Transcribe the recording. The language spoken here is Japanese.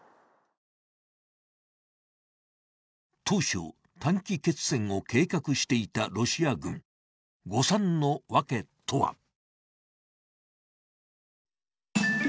当初、短期決戦を計画していたロシア軍、誤算の訳とは？